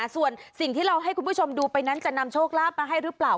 ส่วนสิ่งที่เราให้คุณผู้ชมดูไปนั้นจะนำโชคลาภมาให้หรือเปล่า